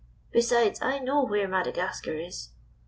Besides, I know where Madagascar is.